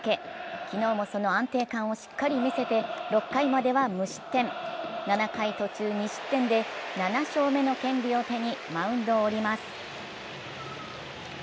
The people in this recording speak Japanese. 昨日もその安定感をしっかり見せて６回までは無失点７回途中２失点で７勝目の権利を手にマウンドを降ります。